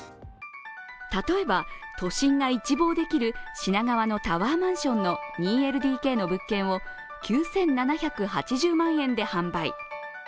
例えば、都心が一望できる品川のタワーマンションの２ＬＤＫの物件を９７８０万円で販売。